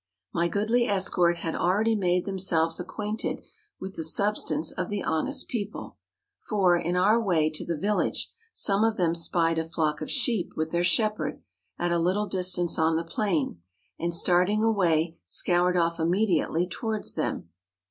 My goodly escort had already made themselves acquainted with the substance of the honest people ; for, in our way to the village, some of them spied a flock of sheep with their shepherd, at a little distance on the plain, and starling away MOUNT ARARAT. 209 scoured off immediately towards them.